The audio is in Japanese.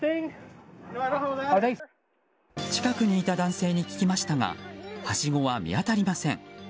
近くにいた男性に聞きましたがはしごは見当たりません。